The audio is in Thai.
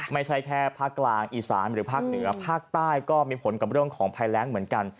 ไม่ใช่แค่ภาคกลางอีสานหรือภาคเหนือภาคใต้ก็มีผลกับเรื่องของภัยแรงเหมือนกัน